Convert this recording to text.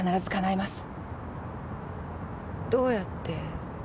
どうやって？